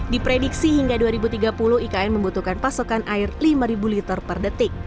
diprediksi hingga dua ribu tiga puluh ikn membutuhkan pasokan air lima liter per detik